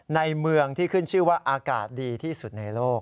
ในเมืองที่ขึ้นชื่อว่าอากาศดีที่สุดในโลก